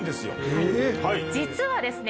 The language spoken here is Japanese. えっ⁉実はですね